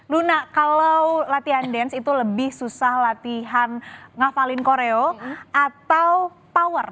luna kalau latihan dance itu lebih susah latihan ngafalin koreo atau power